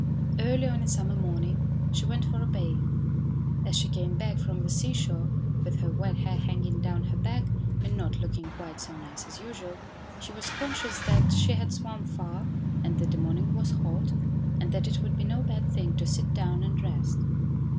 Early on a summer morning she went for a bathe. As she came back from the seashore with her wet hair hanging down her back and not looking quite so nice as usual, she was conscious that she had swum far and that the morning was hot, and that it would be no bad thing to sit down and rest.